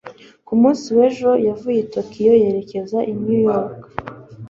ku munsi w'ejo yavuye i tokiyo yerekeza i new york